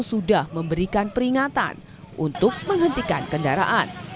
sudah memberikan peringatan untuk menghentikan kendaraan